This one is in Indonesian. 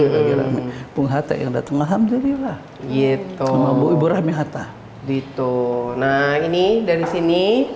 lagi rame bung hatta yang datang alhamdulillah gitu ibu rame hatta gitu nah ini dari sini